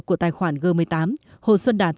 của tài khoản g một mươi tám hồ xuân đạt